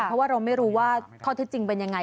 เพราะว่าเราไม่รู้ว่าข้อเท็จจริงเป็นยังไง